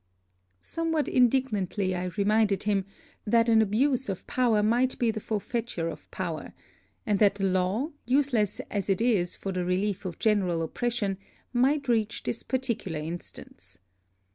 Somewhat indignantly I reminded him, that an abuse of power might be the forfeiture of power; and that the law, useless as it is for the relief of general oppression, might reach this particular instance.